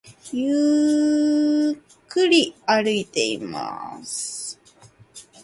ゆっくり歩いています